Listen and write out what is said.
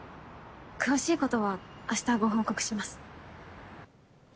詳しいことは明日ご報告します。